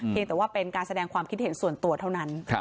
แต่ว่าเป็นการแสดงความคิดเห็นส่วนตัวเท่านั้น